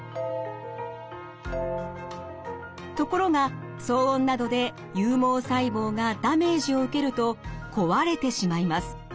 ところが騒音などで有毛細胞がダメージを受けると壊れてしまいます。